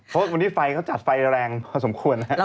เพราะวันนี้เขาจัดไฟแรงพอสมควร